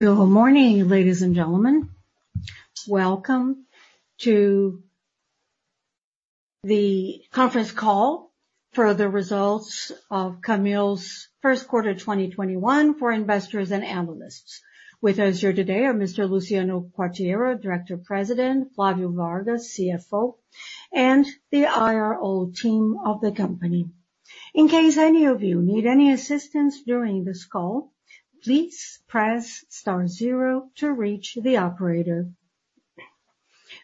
Good morning, ladies and gentlemen. Welcome to the conference call for the results of Camil's first quarter 2021 for investors and analysts. With us here today are Mr. Luciano Quartiero, Director President, Flavio Vargas, CFO, and the IR team of the company. In case any of you need any assistance during this call, please press star zero to reach the operator.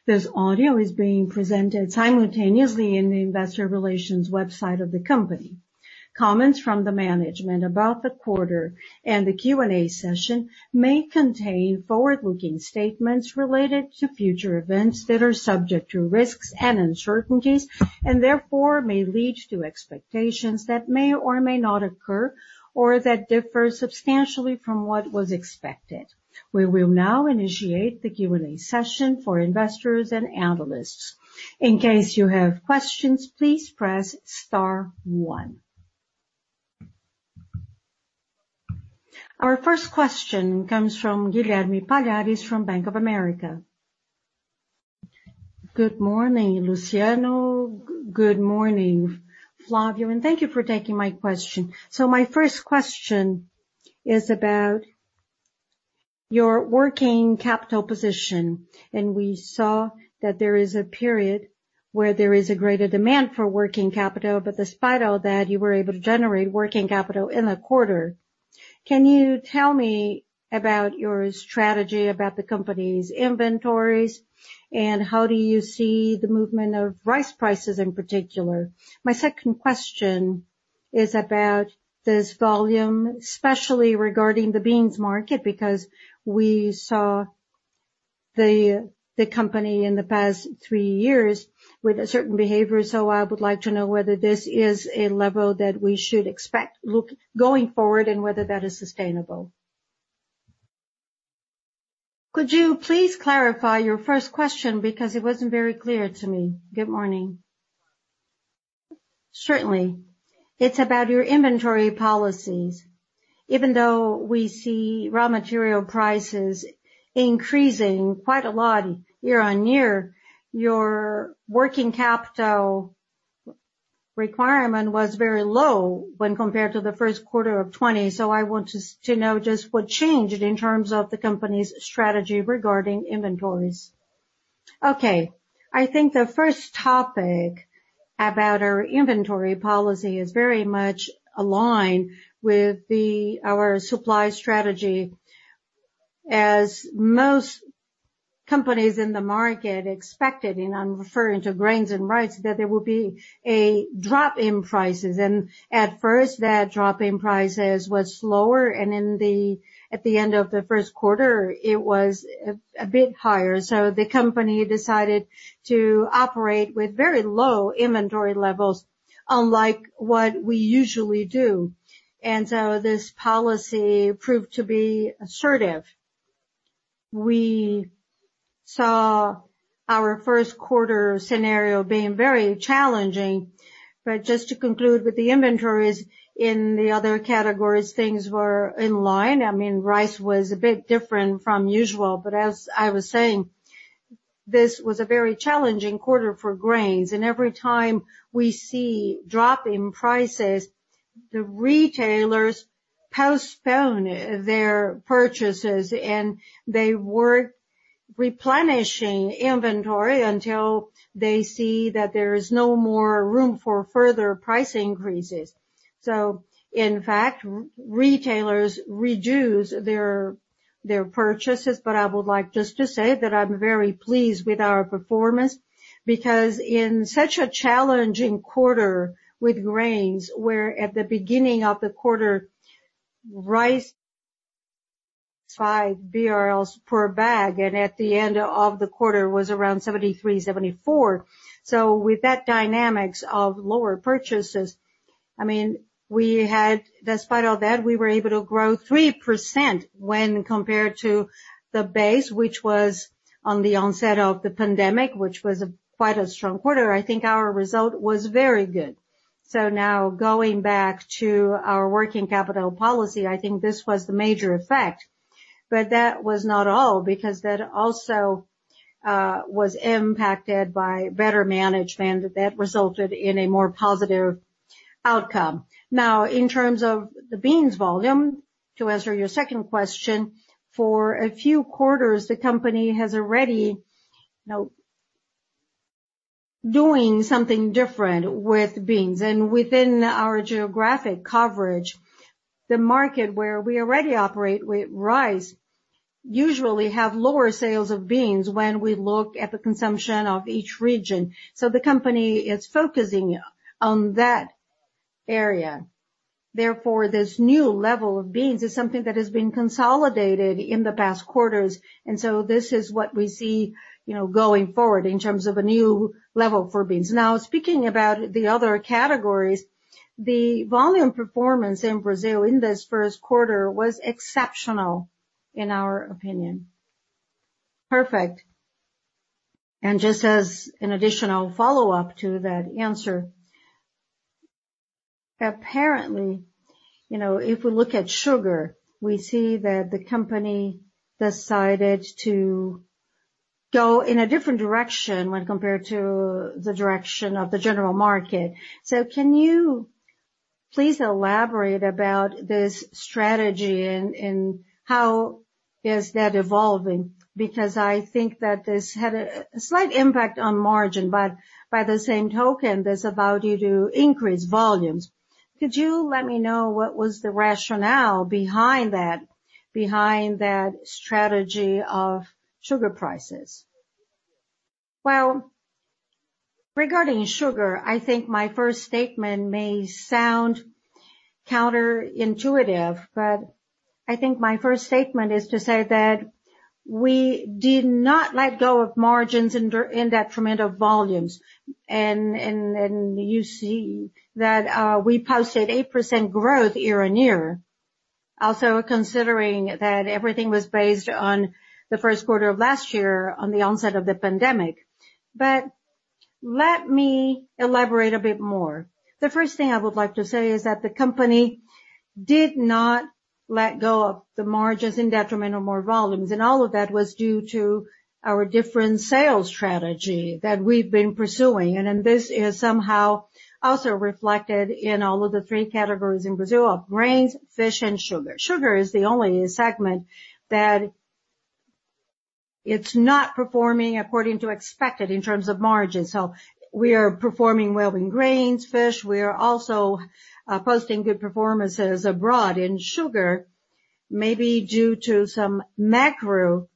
This audio is being presented simultaneously in the investor relations website of the company. Comments from the management about the quarter and the Q&A session may contain forward-looking statements related to future events that are subject to risks and uncertainties, and therefore may lead to expectations that may or may not occur or that differ substantially from what was expected. We will now initiate the Q&A session for investors and analysts. In case you have questions, please press star one. Our first question comes from Guilherme Palhares from Bank of America. Good morning, Luciano. Good morning, Flavio. Thank you for taking my question. My first question is about your working capital position. We saw that there is a period where there is a greater demand for working capital. Despite all that, you were able to generate working capital in the quarter. Can you tell me about your strategy about the company's inventories and how do you see the movement of rice prices in particular? My second question is about this volume, especially regarding the beans market, because we saw the company in the past three years with a certain behavior. I would like to know whether this is a level that we should expect going forward and whether that is sustainable. Could you please clarify your first question because it wasn't very clear to me. Good morning. Certainly. It is about your inventory policies. Even though we see raw material prices increasing quite a lot year-over-year, your working capital requirement was very low when compared to the first quarter of 2020. I want to know just what changed in terms of the company's strategy regarding inventories. Okay. I think the first topic about our inventory policy is very much aligned with our supply strategy. As most companies in the market expected, and I am referring to grains and rice, that there will be a drop in prices. At first, that drop in prices was slower, and at the end of the first quarter, it was a bit higher. The company decided to operate with very low inventory levels, unlike what we usually do. This policy proved to be assertive. We saw our first quarter scenario being very challenging. Just to conclude with the inventories in the other categories, things were in line. Rice was a bit different from usual. As I was saying, this was a very challenging quarter for grains, and every time we see a drop in prices, the retailers postpone their purchases, and they weren't replenishing inventory until they see that there is no more room for further price increases. In fact, retailers reduced their purchases. I would like just to say that I'm very pleased with our performance because in such a challenging quarter with grains, where at the beginning of the quarter, rice was BRL 85 per bag, and at the end of the quarter was around 73, 74. With that dynamics of lower purchases, despite all that, we were able to grow 3% when compared to the base, which was on the onset of the pandemic, which was quite a strong quarter. I think our result was very good. Going back to our working capital policy, I think this was a major effect. That was not all, because that also was impacted by better management that resulted in a more positive outcome. In terms of the beans volume, to answer your second question, for a few quarters, the company has already been doing something different with beans. Within our geographic coverage, the market where we already operate with rice usually have lower sales of beans when we look at the consumption of each region. The company is focusing on that area. This new level of beans is something that has been consolidated in the past quarters. This is what we see going forward in terms of a new level for beans. Speaking about the other categories, the volume performance in Brazil in this first quarter was exceptional in our opinion. Perfect. Just as an additional follow-up to that answer. Apparently, if we look at sugar, we see that the company decided to go in a different direction when compared to the direction of the general market. Can you please elaborate about this strategy and how is that evolving? I think that this had a slight impact on margin, but by the same token, this allowed you to increase volumes. Could you let me know what was the rationale behind that strategy of sugar prices? Well, regarding sugar, I think my first statement may sound counterintuitive. I think my first statement is to say that we did not let go of margins in detriment of volumes. You see that we posted 8% growth year-over-year. Also, considering that everything was based on the first quarter of last year on the onset of the pandemic. Let me elaborate a bit more. The first thing I would like to say is that the company did not let go of the margins in detriment of more volumes. All of that was due to our different sales strategy that we've been pursuing. This is somehow also reflected in all of the three categories in Brazil of grains, fish, and sugar. Sugar is the only segment that it's not performing according to expected in terms of margins. We are performing well in grains, fish. We are also posting good performances abroad. In sugar, maybe due to some macro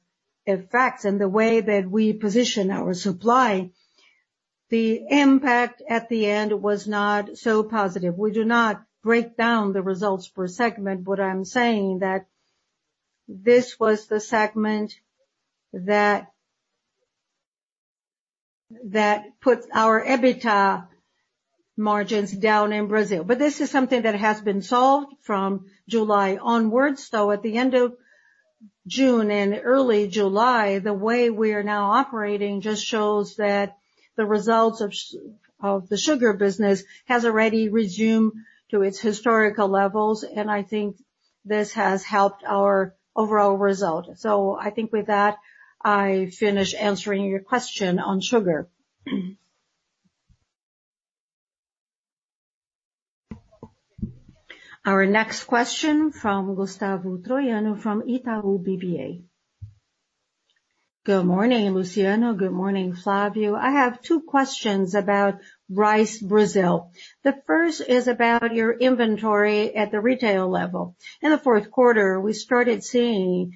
effects and the way that we position our supply, the impact at the end was not so positive. We do not break down the results per segment, but I'm saying that this was the segment that puts our EBITDA margins down in Brazil. This is something that has been solved from July onwards. At the end of June and early July, the way we are now operating just shows that the results of the sugar business has already resumed to its historical levels, and I think this has helped our overall result. I think with that, I finish answering your question on sugar. Our next question from Gustavo Troyano from Itaú BBA. Good morning, Luciano. Good morning, Flavio. I have two questions about rice Brazil. The first is about your inventory at the retail level. In the fourth quarter, we started seeing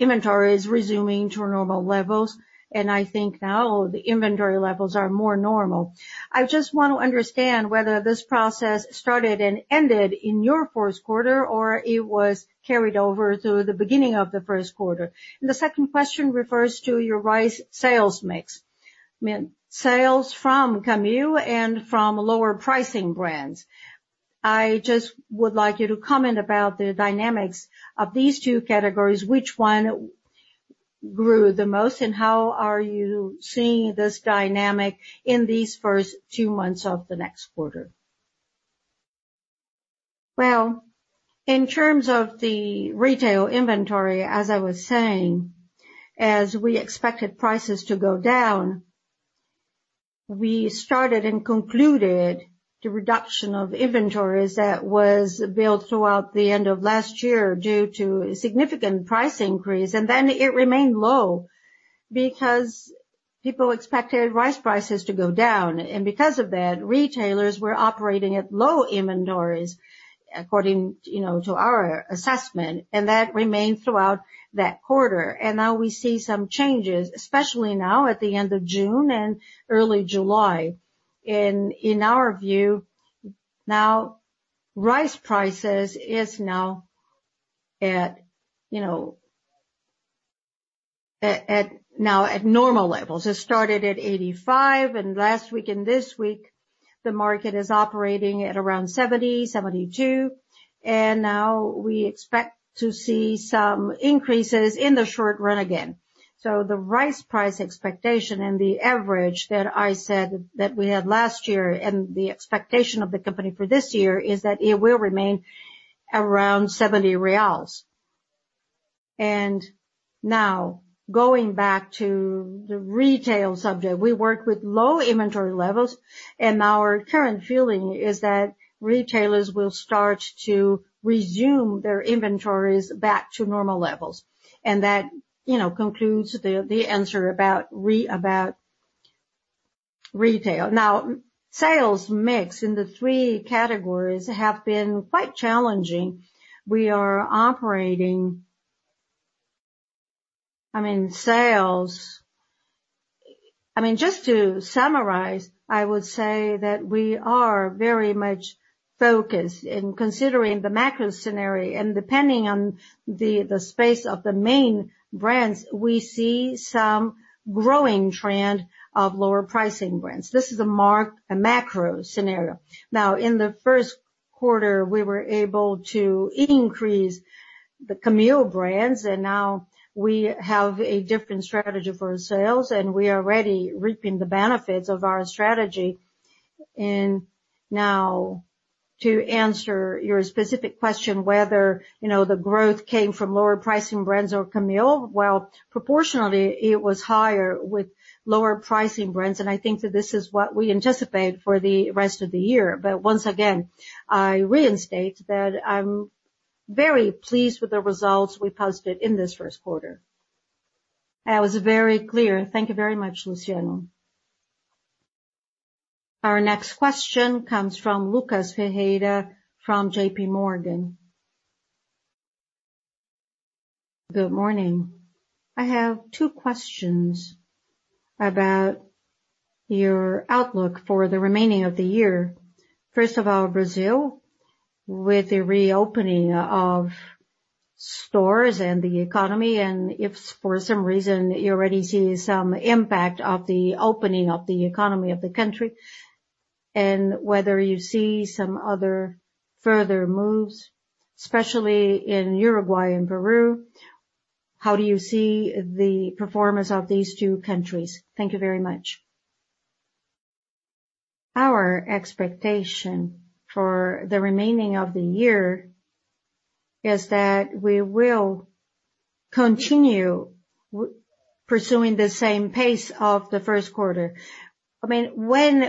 inventories resuming to normal levels, and I think now the inventory levels are more normal. I just want to understand whether this process started and ended in your first quarter, or it was carried over to the beginning of the first quarter. The second question refers to your rice sales mix. Sales from Camil and from lower pricing brands. I just would like you to comment about the dynamics of these two categories, which one grew the most, and how are you seeing this dynamic in these first two months of the next quarter? Well, in terms of the retail inventory, as I was saying, as we expected prices to go down, we started and concluded the reduction of inventories that was built throughout the end of last year due to a significant price increase, and then it remained low because people expected rice prices to go down. Because of that, retailers were operating at low inventories according to our assessment, and that remained throughout that quarter. Now we see some changes, especially now at the end of June and early July. In our view now, rice prices is now at normal levels. It started at 85, and last week and this week, the market is operating at around 70, 72, and now we expect to see some increases in the short run again. The rice price expectation and the average that I said that we had last year, and the expectation of the company for this year is that it will remain around 70 reais. Now going back to the retail subject, we work with low inventory levels, and our current feeling is that retailers will start to resume their inventories back to normal levels. That concludes the answer about retail. Now, sales mix in the three categories have been quite challenging. I mean, just to summarize, I would say that we are very much focused in considering the macro scenario and depending on the space of the main brands, we see some growing trend of lower pricing brands. This is a macro scenario. In the first quarter, we were able to increase the Camil brands, and now we have a different strategy for sales, and we are already reaping the benefits of our strategy. Now to answer your specific question, whether the growth came from lower pricing brands or Camil, well, proportionally it was higher with lower pricing brands, and I think that this is what we anticipate for the rest of the year. Once again, I reinstate that I'm very pleased with the results we posted in this first quarter. That was very clear. Thank you very much, Luciano. Our next question comes from Lucas Ferreira from JPMorgan. Good morning. I have two questions about your outlook for the remaining of the year. First of all, Brazil, with the reopening of stores and the economy and if for some reason you already see some impact of the opening of the economy of the country and whether you see some other further moves, especially in Uruguay and Peru? How do you see the performance of these two countries? Thank you very much. Our expectation for the remaining of the year is that we will continue pursuing the same pace of the first quarter. When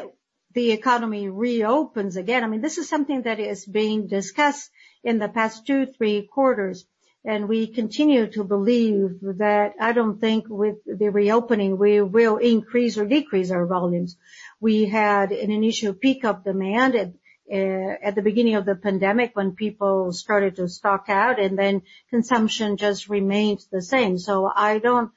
the economy reopens again, this is something that is being discussed in the past two, three quarters, and we continue to believe that I don't think with the reopening we will increase or decrease our volumes. We had an initial peak of demand at the beginning of the pandemic when people started to stock out and then consumption just remains the same. I don't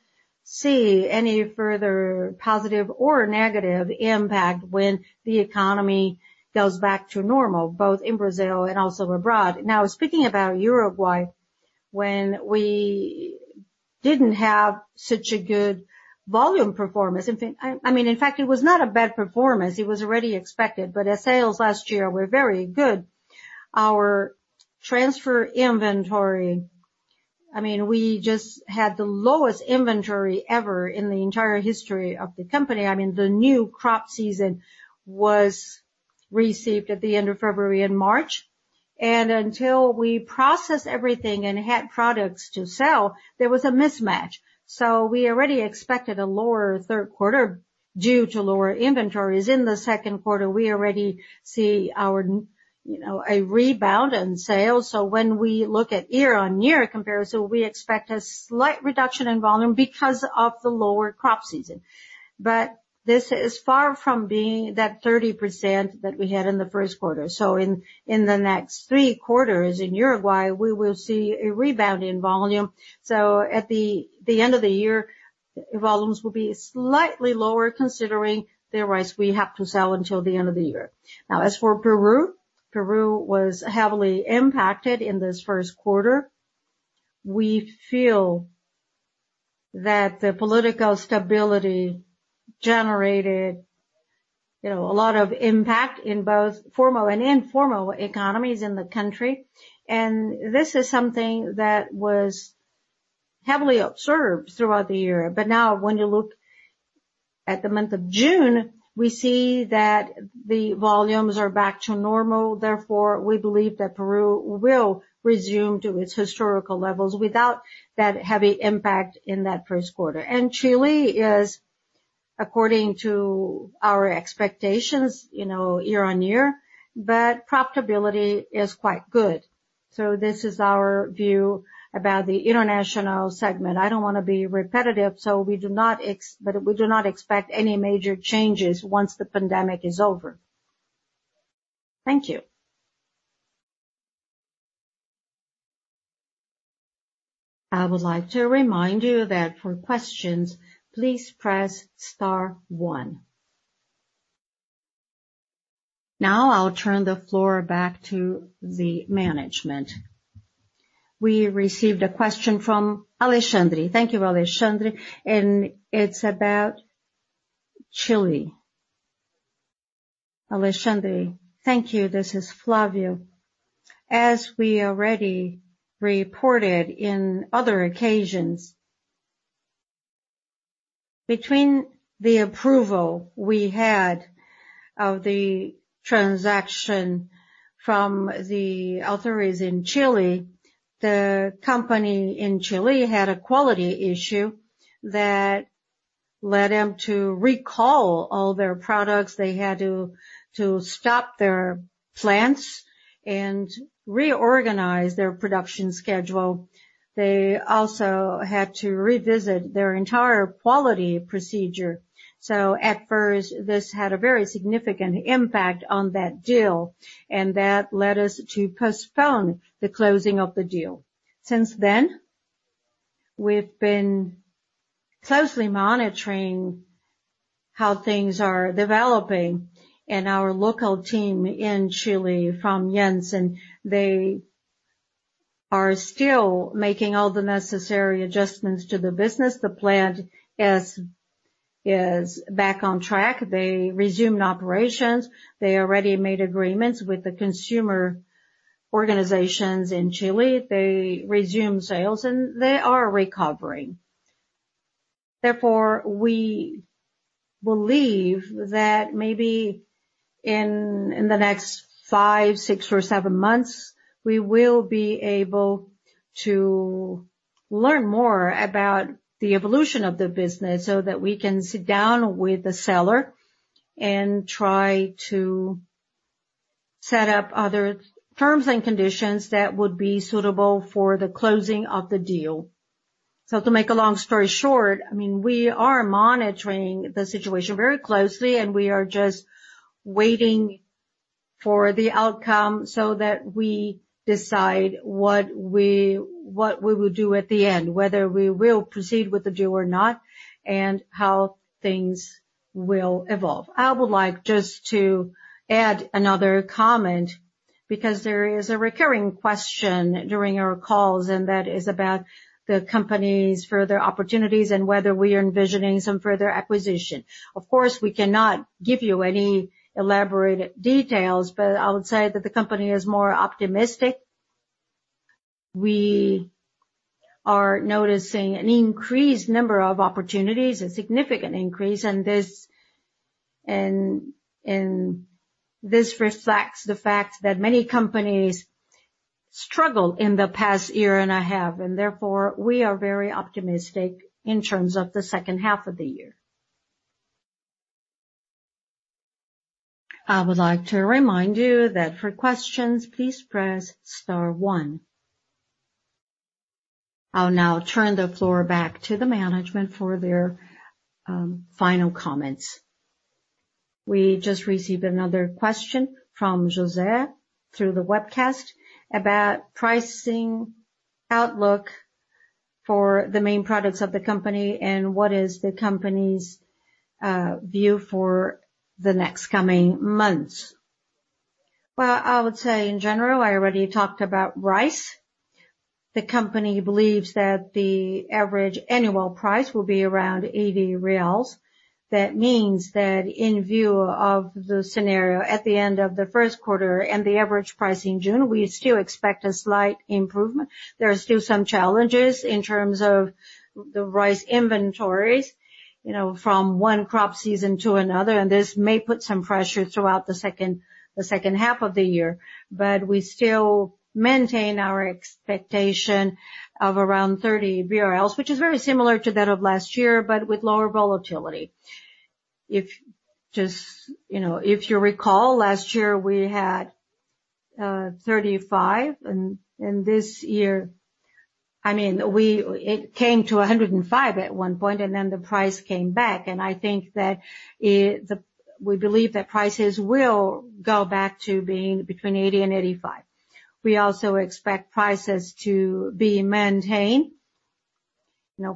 see any further positive or negative impact when the economy goes back to normal, both in Brazil and also abroad. Speaking about Uruguay, when we didn't have such a good volume performance. In fact, it was not a bad performance, it was already expected, but our sales last year were very good. Our transfer inventory we just had the lowest inventory ever in the entire history of the company. The new crop season was received at the end of February and March, and until we processed everything and had products to sell, there was a mismatch. We already expected a lower third quarter due to lower inventories. In the second quarter we already see a rebound in sales. When we look at year-on-year comparison, we expect a slight reduction in volume because of the lower crop season. This is far from being that 30% that we had in the first quarter. In the next three quarters in Uruguay, we will see a rebound in volume. At the end of the year, volumes will be slightly lower considering the rest we have to sell until the end of the year. As for Peru was heavily impacted in this first quarter. We feel that the political stability generated a lot of impact in both formal and informal economies in the country, and this is something that was heavily observed throughout the year. Now, when you look at the month of June, we see that the volumes are back to normal. Therefore, we believe that Peru will resume to its historical levels without that heavy impact in that first quarter. Chile is, according to our expectations, year-over-year, but profitability is quite good. This is our view about the international segment. I don't want to be repetitive, so we do not expect any major changes once the pandemic is over. Thank you. I would like to remind you that, for questions, please press star one. Now I'll turn the floor back to the management. We received a question from Alexandre. Thank you, Alexandre, and it's about Chile. Alexandre, thank you. This is Flavio. As we already reported in other occasions, between the approval we had of the transaction from the authorities in Chile, the company in Chile had a quality issue that led them to recall all their products. They had to stop their plants and reorganize their production schedule. They also had to revisit their entire quality procedure. At first, this had a very significant impact on that deal and that led us to postpone the closing of the deal. Since then, we've been closely monitoring how things are developing and our local team in Chile from Iansa, they are still making all the necessary adjustments to the business. The plant is back on track. They resumed operations. They already made agreements with the consumer organizations in Chile. They resumed sales, and they are recovering. Therefore, we believe that maybe in the next five, six, or seven months, we will be able to learn more about the evolution of the business so that we can sit down with the seller and try to set up other terms and conditions that would be suitable for the closing of the deal. To make a long story short, we are monitoring the situation very closely, and we are just waiting for the outcome so that we decide what we will do at the end, whether we will proceed with the deal or not, and how things will evolve. I would like just to add another comment because there is a recurring question during our calls, and that is about the company's further opportunities and whether we are envisioning some further acquisition. Of course, we cannot give you any elaborate details, but I would say that the company is more optimistic. We are noticing an increased number of opportunities, a significant increase, and this reflects the fact that many companies struggled in the past year and a half, and therefore, we are very optimistic in terms of the second half of the year. I would like to remind you that for questions, please press star one. I'll now turn the floor back to the management for their final comments. We just received another question from Jose through the webcast about pricing outlook for the main products of the company and what is the company's view for the next coming months. Well, I would say in general, I already talked about rice. The company believes that the average annual price will be around 80 reais. That means that in view of the scenario at the end of the first quarter and the average price in June, we still expect a slight improvement. There are still some challenges in terms of the rice inventories from one crop season to another, and this may put some pressure throughout the second half of the year. We still maintain our expectation of around 30 BRL, which is very similar to that of last year, but with lower volatility. If you recall, last year we had 35. This year, it came to 105 at one point, and then the price came back, and I think that we believe that prices will go back to being between 80 and 85. We also expect prices to be maintained.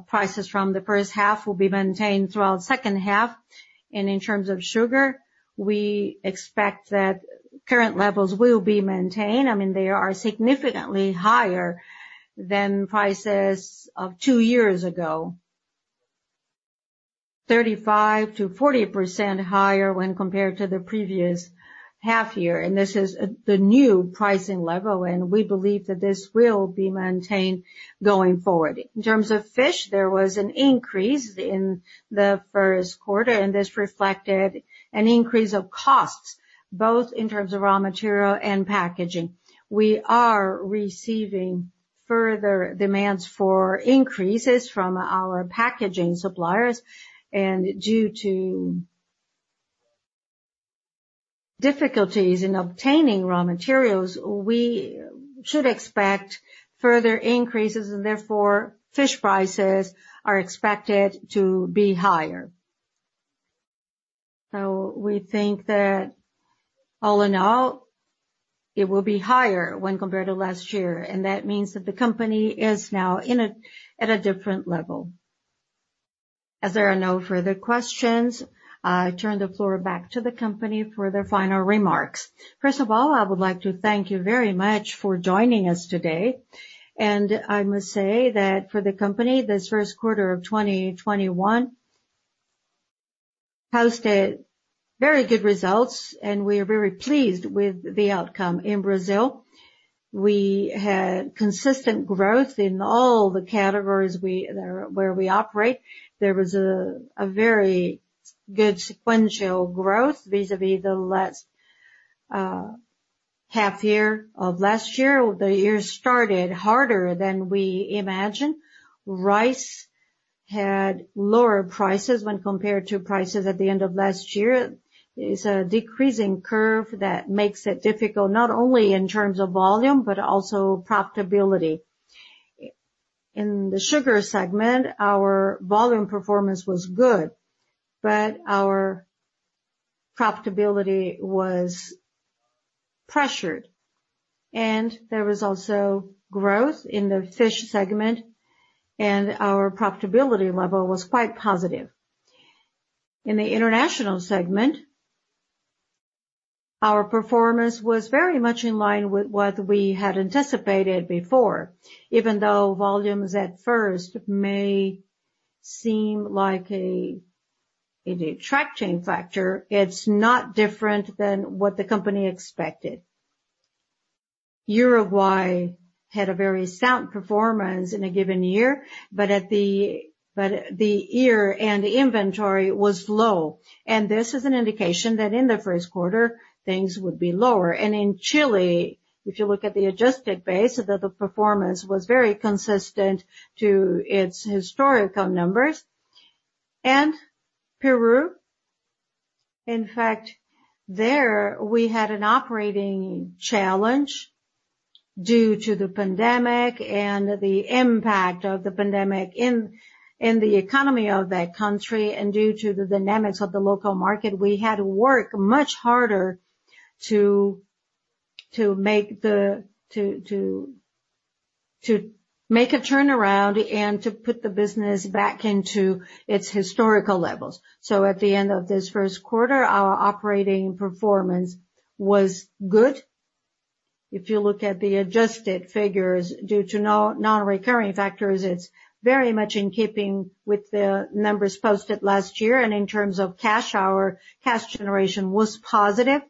Prices from the first half will be maintained throughout the second half. In terms of sugar, we expect that current levels will be maintained. They are significantly higher than prices of two years ago, 35%-40% higher when compared to the previous half year. This is the new pricing level, and we believe that this will be maintained going forward. In terms of fish, there was an increase in the first quarter, this reflected an increase of costs, both in terms of raw material and packaging. We are receiving further demands for increases from our packaging suppliers. Due to difficulties in obtaining raw materials, we should expect further increases; therefore, fish prices are expected to be higher. We think that all in all, it will be higher when compared to last year, that means that the company is now at a different level. As there are no further questions, I turn the floor back to the company for their final remarks. First of all, I would like to thank you very much for joining us today. I must say that for the company, this first quarter of 2021 posted very good results, we are very pleased with the outcome. In Brazil, we had consistent growth in all the categories where we operate. There was a very good sequential growth vis-à-vis the last half year of last year. The year started harder than we imagined. Rice had lower prices when compared to prices at the end of last year. It's a decreasing curve that makes it difficult, not only in terms of volume, but also profitability. In the sugar segment, our volume performance was good, but our profitability was pressured. And there was also growth in the fish segment, and our profitability level was quite positive. In the international segment. Our performance was very much in line with what we had anticipated before. Even though volumes at first may seem like a detracting factor, it's not different than what the company expected. Uruguay had a very sound performance in a given year, but the year and the inventory was low. This is an indication that in the first quarter, things would be lower. In Chile, if you look at the adjusted base, the performance was very consistent to its historical numbers. Peru, in fact, there we had an operating challenge due to the pandemic and the impact of the pandemic in the economy of that country, and due to the dynamics of the local market, we had to work much harder to make a turnaround and to put the business back into its historical levels. At the end of this first quarter, our operating performance was good. If you look at the adjusted figures due to non-recurring factors, it's very much in keeping with the numbers posted last year. In terms of cash, our cash generation was positive.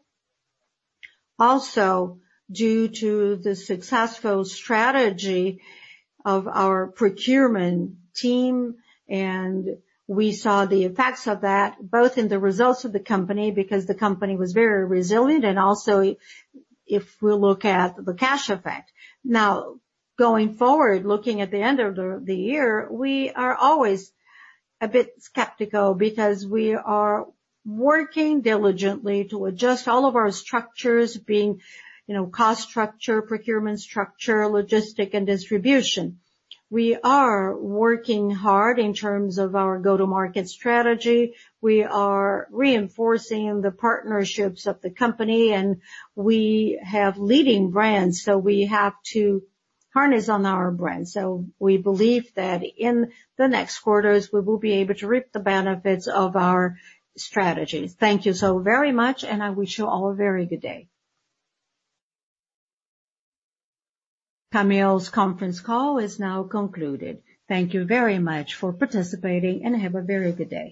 Also, due to the successful strategy of our procurement team, and we saw the effects of that both in the results of the company, because the company was very resilient, and also if we look at the cash effect. Now, going forward, looking at the end of the year, we are always a bit skeptical because we are working diligently to adjust all of our structures, being cost structure, procurement structure, logistics, and distribution. We are working hard in terms of our go-to-market strategy. We are reinforcing the partnerships of the company, and we have leading brands. We have to harness on our brands. We believe that in the next quarters, we will be able to reap the benefits of our strategy. Thank you so very much, and I wish you all a very good day. Camil's conference call is now concluded. Thank you very much for participating, and have a very good day.